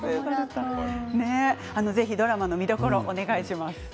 ぜひドラマの見どころをお願いします。